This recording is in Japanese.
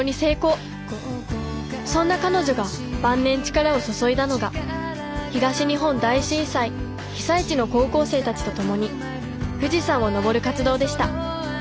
そんな彼女が晩年力を注いだのが東日本大震災被災地の高校生たちと共に富士山を登る活動でした